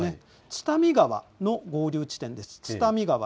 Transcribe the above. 津民川の合流地点です。